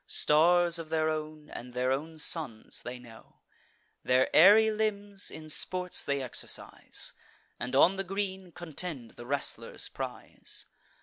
Stars of their own, and their own suns, they know; Their airy limbs in sports they exercise, And on the green contend the wrestler's prize.